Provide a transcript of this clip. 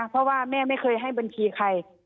เพราะว่าแม่ไม่เคยให้บัญชีใคร